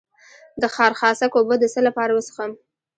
د خارخاسک اوبه د څه لپاره وڅښم؟